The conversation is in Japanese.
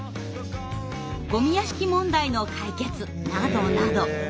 ごみ屋敷問題の解決などなど。